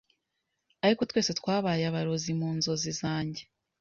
Ariko twese twabaye abarozi mu nzozi zanjye